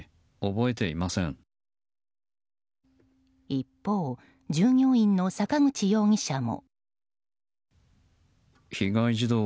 一方、従業員の坂口容疑者も。